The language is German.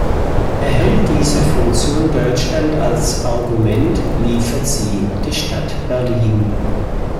Erhält diese Funktion Deutschland als Argument, liefert sie die Stadt Berlin.